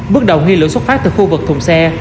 bước đầu nghi lửa xuất phát từ khu vực thùng xe